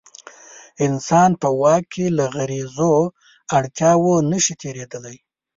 انسان په واک کې له غریزو اړتیاوو نه شي تېرېدلی.